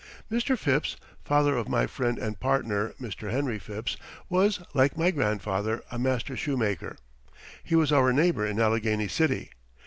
Mr. Phipps, father of my friend and partner Mr. Henry Phipps, was, like my grandfather, a master shoemaker. He was our neighbor in Allegheny City.